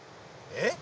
えっ？